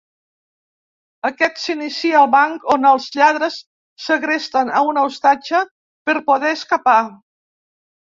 Aquest s'inicia al banc on els lladres segresten a una ostatge per poder escapar.